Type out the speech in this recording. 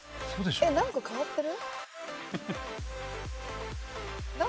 えっ変わってる？